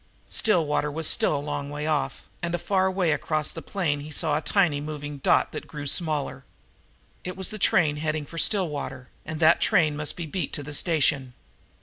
Stillwater was still a long way off, and far away across the plain he saw a tiny moving dot that grew slowly. It was the train heading for Stillwater, and that train he must beat to the station.